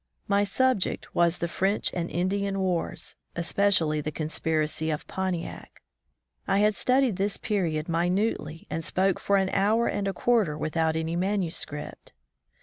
My subject was the French and Indian wars, especially the conspiracy of Pontiac. I had studied this period minutely and spoke for an hour and a quarter without any manuscript.